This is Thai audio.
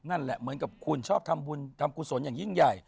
นั่นแหละเหมือนกับคุณชอบทำบุญทำกุศลอย่างยิ่งใหญ่